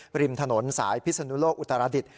ริมถนนสายพิศนุโลกอุตรดิษฐ